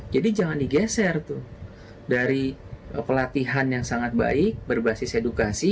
jadi jangan digeser dari pelatihan yang sangat baik berbasis edukasi